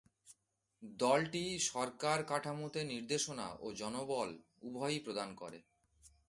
দলটি সরকার কাঠামোতে নির্দেশনা ও জনবল উভয়ই প্রদান করে।